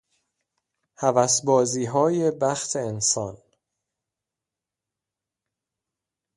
هوسبازیهای بخت انسان